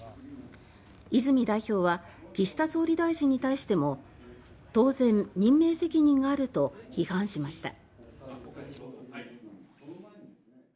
泉代表は岸田総理大臣に対しても「当然、任命責任がある」と批判しました。